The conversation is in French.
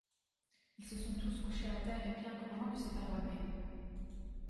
Ils se sont tous couchés à terre et Pierre Grosjean ne s'est pas relevé.